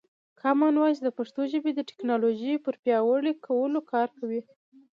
کامن وایس د پښتو ژبې د ټکنالوژۍ پر پیاوړي کولو کار کوي.